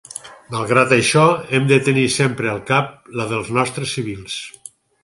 Malgrat això, hem de tenir sempre al cap la dels nostres civils.